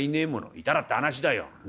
「いたらって話だよ。